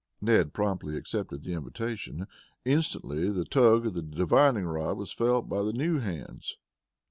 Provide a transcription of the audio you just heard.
Ned promptly accepted the invitation. Instantly the tug of the divining rod was felt by the new hands.